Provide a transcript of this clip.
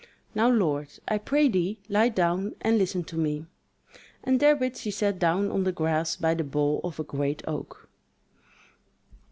Now, lord, I pray thee light down and listen to me." And therewith she sat down on the grass by the bole of a great oak.